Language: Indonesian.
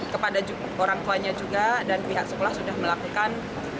kepada orang tuanya juga dan pihak sekolah sudah melakukan